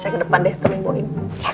saya ke depan deh sama bu im